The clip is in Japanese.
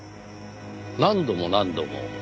「何度も何度も」。